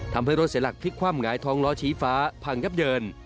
ทำให้รถเสียหลักพลิกคว่ำหงายท้องล้อชี้ฟ้าพังยับเยิน